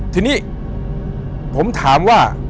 ทีนี้ผมถามว่า